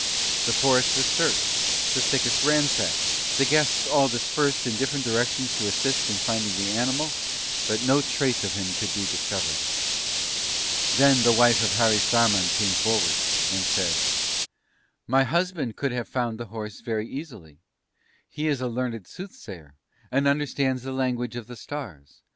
The forest was searched, the thickets ransacked; the guests all dispersed in different directions to assist in finding the animal but no trace of him could be discovered. "Then the wife of Harisarman came forward, and said: "'My husband could have found the horse very easily; he is a learned Soothsayer, and understands the language of the stars.